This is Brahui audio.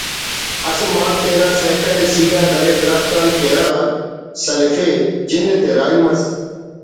اسے مار تینا سیکل ءِ سیدھا درے درخت نا کیرغ آن سلفے جندتے راہی مس